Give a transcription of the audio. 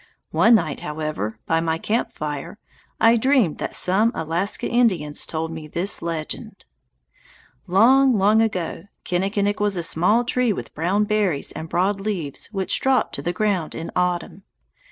One night, however, by my camp fire, I dreamed that some Alaska Indians told me this legend: Long, long ago, Kinnikinick was a small tree with brown berries and broad leaves which dropped to the ground in autumn.